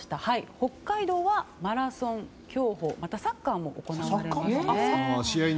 北海道はマラソン、競歩サッカーも行われますね。